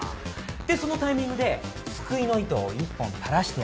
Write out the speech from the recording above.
でそのタイミングで救いの糸を１本垂らしてやったわけ。